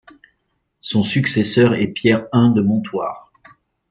Son successeur est Pierre I de Montoire.